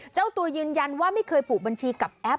เจ้าตัวยืนยันว่าไม่เคยผูกบัญชีกับแอป